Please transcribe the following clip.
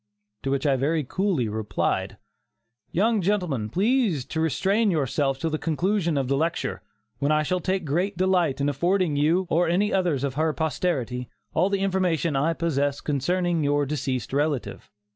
to which I very coolly replied: "Young gentleman, please to restrain yourself till the conclusion of the lecture, when I shall take great delight in affording you, or any others of her posterity, all the information I possess concerning your deceased relative."